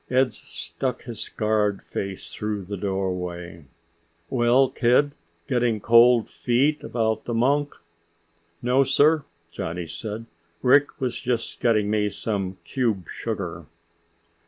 Ed stuck his scarred face through the doorway. "Well, kid, getting cold feet about the monk?" "No, sir!" Johnny said. "Rick was just getting me some cube sugar."